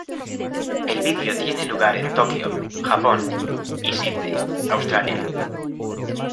El vídeo tiene lugar en Tokyo, Japón y Sydney, Australia.